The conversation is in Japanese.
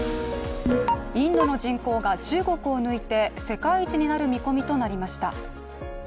インドの人口が中国を抜いて世界一になる見込みとなりました。